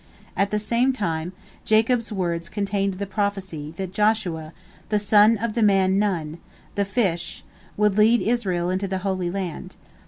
At the same time, Jacob's words contained the prophecy that Joshua the son of the man Nun, the "fish," would lead Israel into the Holy Land.